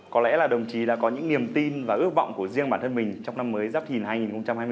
có lẽ là đồng chí đã có những niềm tin và ước vọng của riêng bản thân mình trong năm mới dắp hình hành hai nghìn hai mươi bốn